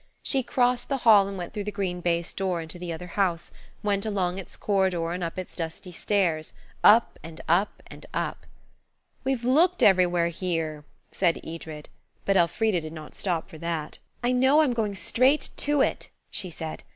She crossed the hall and went through the green baize door into the other house; went along its corridor and up its dusty stairs–up, and up, and up– "We've looked everywhere here," said Edred, but Elfrida did not stop for that. "I know I'm going straight to it," she said.